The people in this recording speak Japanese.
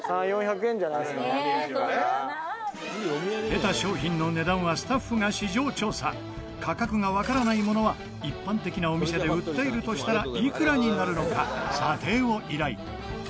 出た商品の値段はスタッフが市場調査価格がわからないものは一般的なお店で売っているとしたらいくらになるのか、査定を依頼